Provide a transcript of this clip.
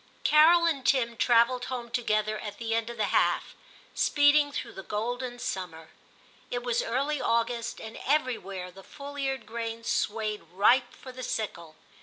Carol and Tim travelled home together at the end of the half, speeding through the golden summer. It was early August, and everywhere the full eared grain swayed ripe for the sickle.